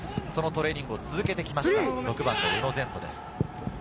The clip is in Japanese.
そのトレーニングを続けてきました、６番の宇野禅斗です。